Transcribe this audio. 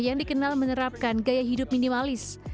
yang dikenal menerapkan gaya hidup minimalis